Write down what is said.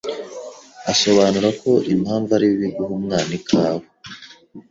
asobanura ko impamvu ari bibi guha umwana ikawa,